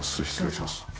失礼します。